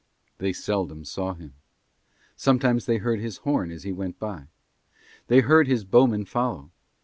They seldom saw him. Sometimes they heard his horn as he went by. They heard his bowmen follow.